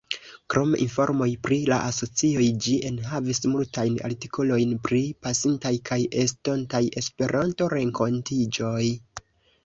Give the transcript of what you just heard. Krom informoj pri la asocioj, ĝi enhavis multajn artikolojn pri pasintaj kaj estontaj Esperanto-renkontiĝoj.